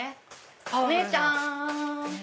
お姉ちゃん！